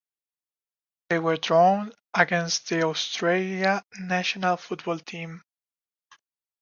They were drawn against the Australia national football team.